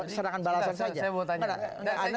serangan balasan saja saya mau tanya